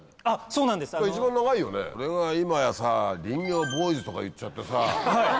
それが今やさ林業ボーイズとか言っちゃってさ。